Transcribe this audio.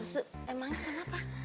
su emang kenapa